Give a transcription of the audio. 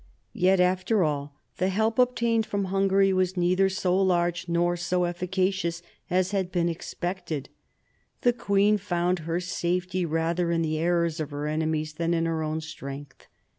Yet, after all, the help obtained from Hungary was neither so large nor so efficacious as had been ex pected. The queen found her safety rather in the errors of her enemies than in her own strength.